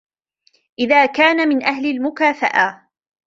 إنْ كَانَ مِنْ أَهْلِ الْمُكَافَأَةِ